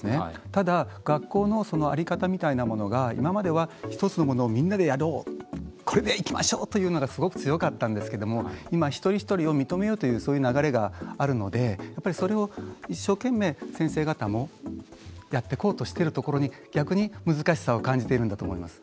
ただ学校の在り方みたいなものが今までは１つのものをみんなでやろうこれでいきましょうというのがすごく強かったんですけども今は一人一人を認めようというそういう流れがあるのでそれを一生懸命先生方もやってこうとしているところに逆に難しさを感じているんだと思います。